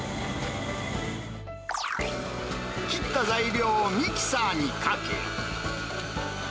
切った材料をミキサーにかけ。